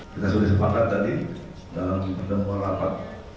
kita sudah sepakat tadi dalam pertemuan rapat